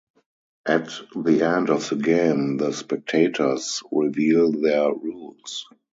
At the end of the game, the "Spectators" reveal their rules.